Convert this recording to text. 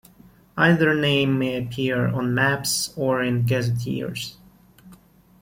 Either name may appear on maps or in gazetteers.